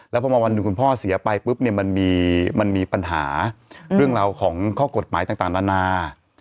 แล้วพอมาวันหนึ่งคุณพ่อเสียไปปุ๊บเนี่ยมันมีปัญหาเรื่องราวของข้อกฎหมายต่างนานา